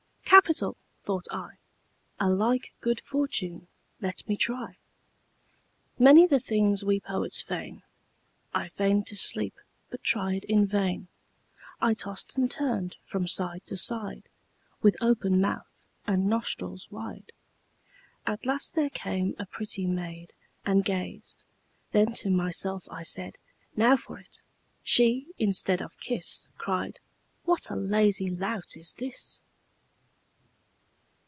'Capital!' thought I. 'A like good fortune let me try.' Many the things we poets feign. I feign'd to sleep, but tried in vain. I tost and turn'd from side to side, With open mouth and nostrils wide. At last there came a pretty maid, And gazed; then to myself I said, 'Now for it!' She, instead of kiss, Cried, 'What a lazy lout is this!'